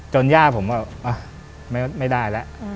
ย่าผมก็ไม่ได้แล้ว